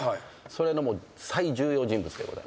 それの最重要人物でございます。